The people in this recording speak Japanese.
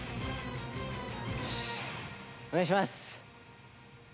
お願いします。